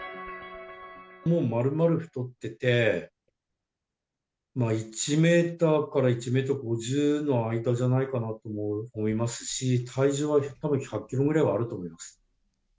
もう丸々太ってて、まあ１メーターから１メートル５０の間じゃないかなと思いますし、体重はたぶん１００キロはあると思います。